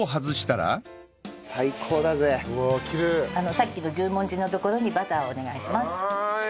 さっきの十文字のところにバターをお願いします。